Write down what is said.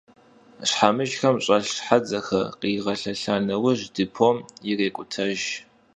Şhemıjjxem ş'elh hedzexer khış'iğelhelha neuj, dêpom yirêk'utejj.